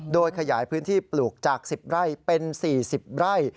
โดยขยายพื้นที่ปลูกจาก๑๐ไร่เป็น๔๐ไร่